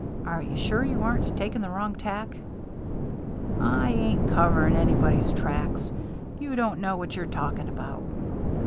Are you sure you aren't taking the wrong tack ?"" I ain't covering anybody's tracks. You don't know what you're talking about."